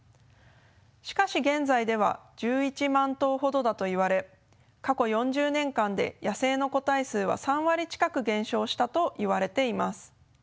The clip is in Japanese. しかし現在では１１万頭ほどだといわれ過去４０年間で野生の個体数は３割近く減少したといわれています。